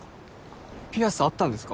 ピアスあったんですか？